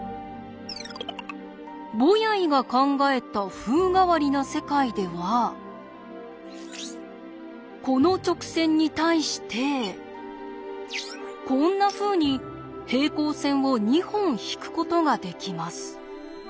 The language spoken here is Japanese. ボヤイが考えた風変わりな世界ではこの直線に対してこんなふうに平行線を２本引くことができます。